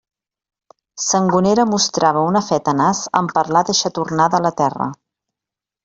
Sangonera mostrava una fe tenaç en parlar d'eixa tornada a la Terra.